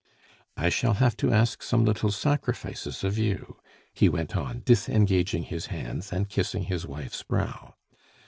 "I shall have to ask some little sacrifices of you," he went on, disengaging his hands and kissing his wife's brow.